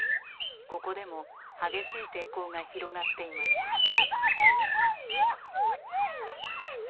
ここでも激しい抵抗が広がっていました。